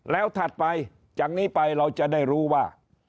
แล้วถัดไปจากนี้ไปเราจะได้รู้ว่า